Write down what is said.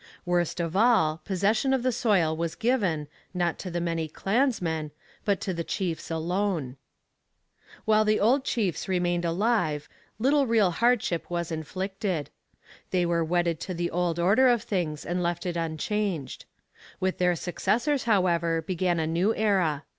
Worst of all, possession of the soil was given, not to the many clansmen, but to the chiefs alone. While the old chiefs remained alive, little real hardship was inflicted. They were wedded to the old order of things, and left it unchanged. With their successors, however, began a new era.